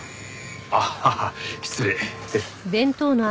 ああ失礼。